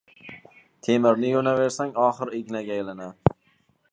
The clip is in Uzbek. • Temirni yo‘naversang oxiri ignaga aylanadi.